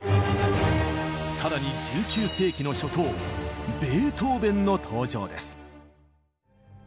さらに１９世紀の初頭ベートーベンの登場です。